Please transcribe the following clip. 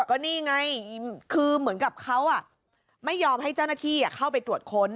ก็นี่ไงคือเหมือนกับเขาไม่ยอมให้เจ้าหน้าที่เข้าไปตรวจค้น